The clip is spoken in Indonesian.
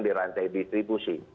di rantai distribusi